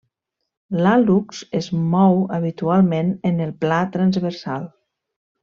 L'hàl·lux es mou habitualment en el pla transversal.